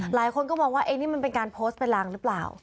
หลายคนก็มองว่านี่มันเป็นการโพสต์เป็นรังหรือเปล่า